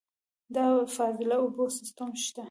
د فاضله اوبو سیستم شته؟